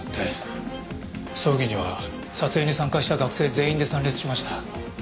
葬儀には撮影に参加した学生全員で参列しました。